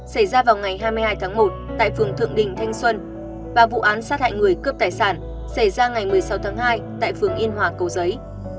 xảy ra vào ngày hai mươi hai tháng một tại phường thượng đình thanh xuân và vụ án sát hại người cướp tài sản xảy ra ngày một mươi sáu tháng hai tại phường yên hòa cầu giấy